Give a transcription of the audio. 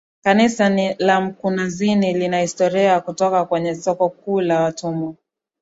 Kanisa la mkunazini lina historia ya kutoka kwenye soko kuu la watumwa